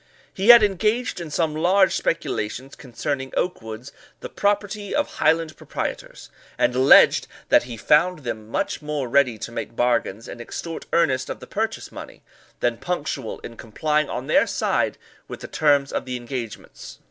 He had engaged in some large speculations concerning oak woods, the property of Highland proprietors, and alleged, that he found them much more ready to make bargains, and extort earnest of the purchase money, than punctual in complying on their side with the terms of the engagements.